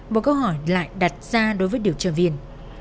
một câu hỏi lại đặt ra đối với điều tra viên